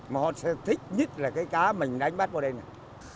mà họ sẽ thích nhất là cái cá mình đánh bắt vào đây này